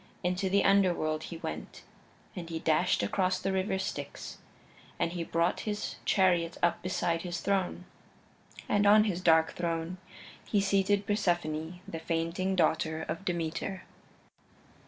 Into the Underworld he went, and he dashed across the River Styx, and he brought his chariot up beside his throne. And on his dark throne he seated Persephone, the fainting daughter of Demeter.